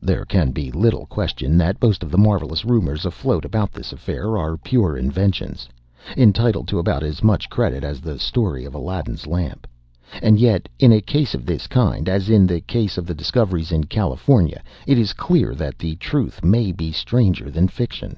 There can be little question that most of the marvellous rumors afloat about this affair are pure inventions, entitled to about as much credit as the story of Aladdin's lamp; and yet, in a case of this kind, as in the case of the discoveries in California, it is clear that the truth may be stranger than fiction.